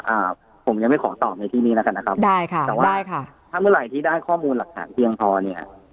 อ่าผมยังไม่ขอตอบในที่นี้แล้วกันนะครับได้ค่ะแต่ว่าได้ค่ะถ้าเมื่อไหร่ที่ได้ข้อมูลหลักฐานเพียงพอเนี่ย